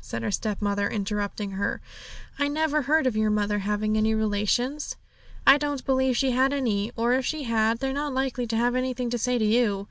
said her stepmother, interrupting her. 'I never heard of your mother having any relations; I don't believe she had any, or if she had, they're not likely to have anything to say to you.